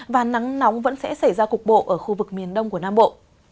và nắng nóng vẫn sẽ xảy ra cục bộ ở khu vực miền đông của nam bộ